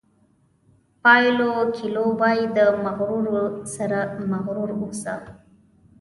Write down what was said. پایلو کویلو وایي د مغرورو سره مغرور اوسه.